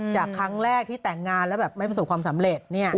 จากครั้งแรกที่แต่งงานแล้วแบบไม่ประสบความสำเร็จ